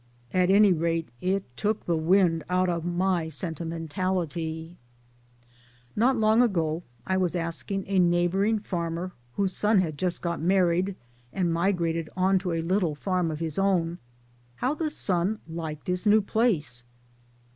At any rate it took the wind out of my sentimentality ! Not long ago I was asking 1 a neighboring farmer whose son had just got married and migrated on to a little farm of his own how the son " liked his new place."